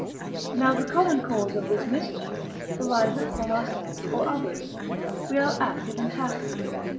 Now the common cause of this mischief, ariseth from ourselves or others, we are active and passive.